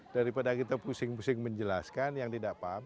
daripada kita pusing pusing menjelaskan yang tidak paham